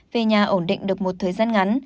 về nhà ổn định được một thời gian ngắn